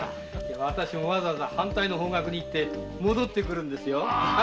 私もわざわざ反対の方角に行って戻ってくるんですよ。